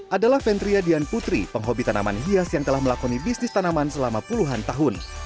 adalah ventria dian putri penghobi tanaman hias yang telah melakoni bisnis tanaman selama puluhan tahun